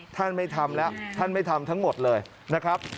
ท่านไม่ทำแล้วท่านไม่ทำทั้งหมดเลยนะครับ